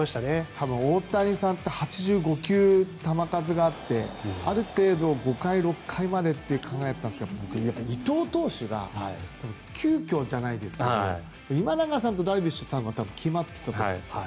多分大谷さんって８５球球数があってある程度、５回６回までって考えていたんですが伊藤投手が急きょじゃないですが今永さんとダルビッシュさんは多分決まっていたと思うんです。